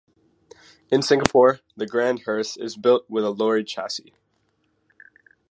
In Singapore, the grand hearse is built with a lorry chassis.